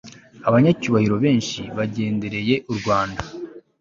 abanyacyubahiro benshi bagendereye u rwanda